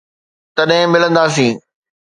تڏھن ملنداسين.